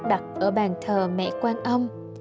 đặt ở bàn thờ mẹ quan ông